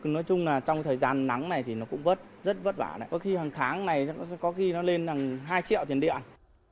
nói chung là trong thời gian nắng này thì nó cũng rất vất vả có khi hàng tháng này có khi nó lên hai triệu tiền điện